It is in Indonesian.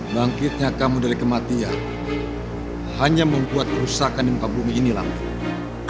bangkitnya kamu dari kematian hanya membuat kerusakan di muka bumi ini lampin